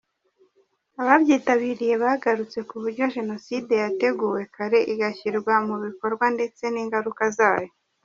Ababyitabiriye bagarutse ku buryo Jenoside yateguwe kare, igashyirwa mu bikorwa ndetse n’ingaruka zayo.